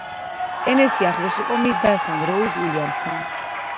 ტენესი ახლოს იყო მის დასთან, როუზ უილიამსთან.